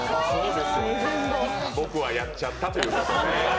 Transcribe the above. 僕はやっちゃったということで。